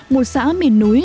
một xã miền núi